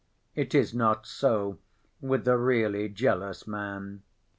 It is not so with the really jealous man.